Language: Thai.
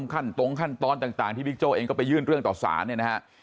ขั้นตรงขั้นตอนต่างที่บิ๊กโจ้เองก็ไปยื่นเรื่องต่อสารเนี่ยนะฮะ